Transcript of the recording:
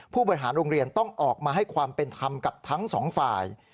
ผู้บริหารโรงเรียนต้องออกมาให้ความเป็นธรรมกับทั้งสองฝ่าย